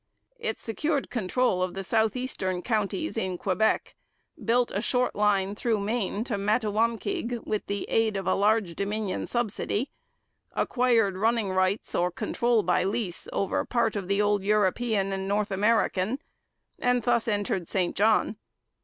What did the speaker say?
It secured control of the South eastern Counties in Quebec, built a short line through Maine to Mattawamkeag with the aid of a large Dominion subsidy, acquired running rights or control by lease over part of the old European and North American, and thus entered St John.